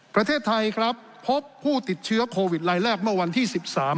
ประเทศไทยครับพบผู้ติดเชื้อโควิดรายแรกเมื่อวันที่สิบสาม